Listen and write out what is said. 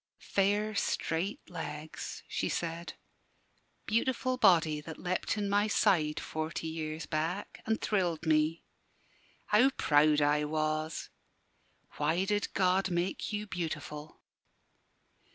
"Fair, straight legs," she said; "beautiful body that leapt in my side, forty years back, and thrilled me! How proud I was! Why did God make you beautiful?"